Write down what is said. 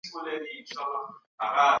ولي تمرین د ځان ارزونه اسانه کوي؟